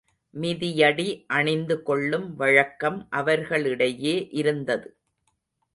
மிதியடி அணிந்துகொள்ளும் வழக்கம் அவர்களிடையே இருந்தது.